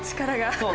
そう。